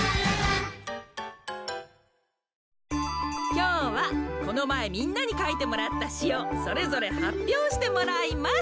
きょうはこのまえみんなにかいてもらったしをそれぞれはっぴょうしてもらいます。